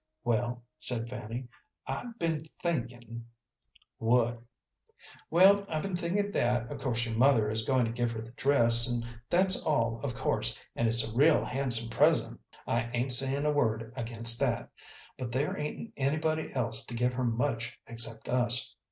"Well," said Fanny, "I've been thinkin' " "What?" "Well, I've been thinkin' that of course your mother is goin' to give her the dress, and that's all, of course, and it's a real handsome present. I ain't sayin' a word against that; but there ain't anybody else to give her much except us.